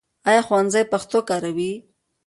ایا ښوونځی پښتو کاروي؟